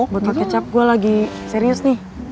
bentuk kecap gue lagi serius nih